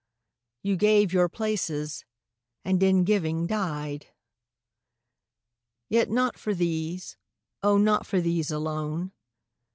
You gave your places, and in giving died ! Yet not for these, oh, not for these alone.